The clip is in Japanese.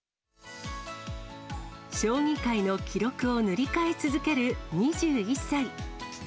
将棋界の記録を塗り替え続ける２１歳。